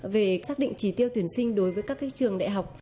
về xác định trí tiêu tuyển sinh đối với các trường đại học